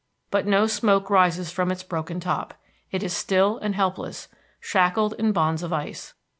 But no smoke rises from its broken top. It is still and helpless, shackled in bonds of ice.